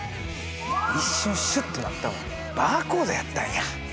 一瞬シュッとなったんはバーコードやったんや。